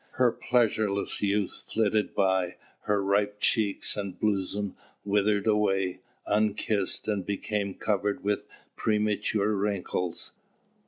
Her pleasureless youth flitted by; her ripe cheeks and bosom withered away unkissed and became covered with premature wrinkles.